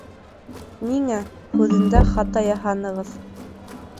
Ниңә... һүҙендә хата яһанығыҙ?